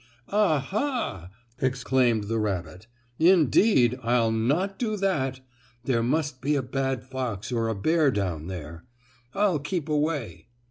"Ah, ha!" exclaimed the rabbit. "Indeed, I'll not do that. There must be a bad fox or a bear down there. I'll keep away."